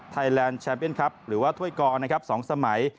แลนด์แชมเปียนครับหรือว่าถ้วยกอร์นะครับ๒สมัย